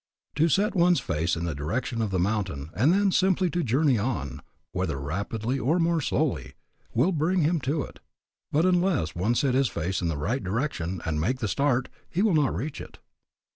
To set one's face in the direction of the mountain and then simply to journey on, whether rapidly or more slowly, will bring him to it. But unless one set his face in the right direction and make the start, he will not reach it.